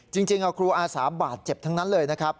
จริงครูอาสาบาดเจ็บทั้งนั้นเลยนะครับ